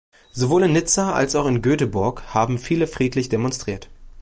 Sowohl in Nizza als auch in Göteborg haben viele friedlich demonstriert.